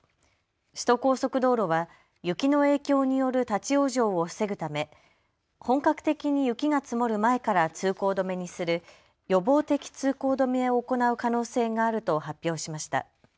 首都高速道路は雪の影響による立往生を防ぐため本格的に雪が積もる前から通行止めにする予防的通行止めを行う可能性があると発表しました。